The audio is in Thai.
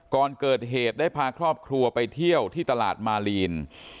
ก่อนเกิดเหตุได้พาครอบครัวไปเที่ยวที่ตลาดมาลีน